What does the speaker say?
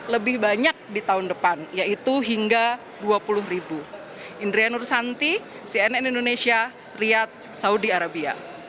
lebih banyak di tahun depan yaitu hingga dua puluh ribu